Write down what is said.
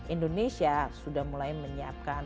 indonesia sudah mulai menyiapkan